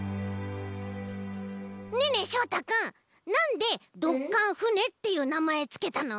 ねえねえしょうたくんなんでドッカンふねっていうなまえつけたの？